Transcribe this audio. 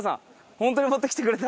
ホントに持ってきてくれた。